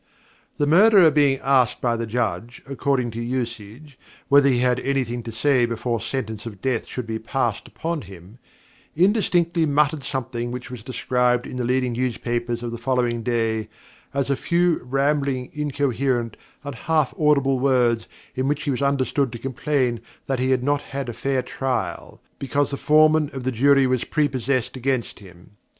The Murderer being asked by the Judge, according to usage, whether he had anything to say before sentence of Death should be passed upon him, indistinctly muttered something which was described in the leading newspapers of the following day as 'a few rambling, incoherent, and half audible words, in which he was understood to complain that he had not had a fair trial because the Foreman of the Jury was prepossessed against him'.